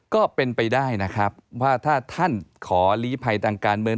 ก็เป็นไปได้นะครับว่าถ้าท่านขอลีภัยทางการเมือง